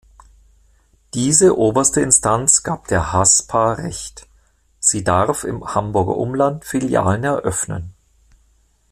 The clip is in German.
Diese oberste Instanz gab der Haspa Recht: Sie darf im Hamburger Umland Filialen eröffnen.